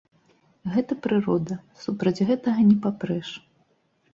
Гэта прырода, супраць гэтага не папрэш.